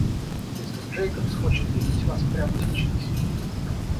Мистер Джейкобс хочет видеть вас прямо сейчас.